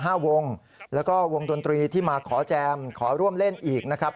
ห้าวงแล้วก็วงดนตรีที่มาขอแจมขอร่วมเล่นอีกนะครับ